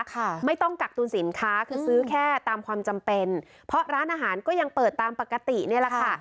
ค่ะไม่ต้องกักตุลสินค้าคือซื้อแค่ตามความจำเป็นเพราะร้านอาหารก็ยังเปิดตามปกตินี่แหละค่ะ